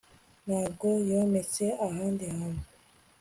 ntabwo yometse ahandi hantu